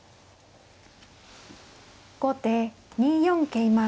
後手２四桂馬。